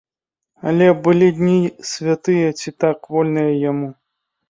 Але былі дні святыя ці так вольныя яму.